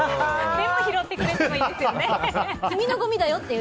でも拾ってくれてもいいですよね。